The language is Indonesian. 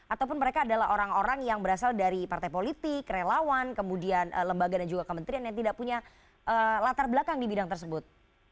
ataupun mereka adalah orang orang yang berasal dari partai politik relawan kemudian lembaga dan juga kementerian yang tidak punya latar belakang di bidang tersebut